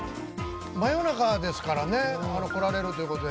真夜中ですからね、こられるということで